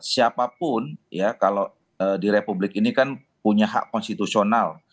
siapapun ya kalau di republik ini kan punya hak konstitusional